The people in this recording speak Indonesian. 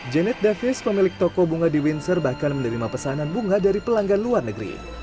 janet davis pemilik toko bunga di windsor bahkan menerima pesanan bunga dari pelanggan luar negeri